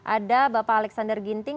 ada bapak alexander ginting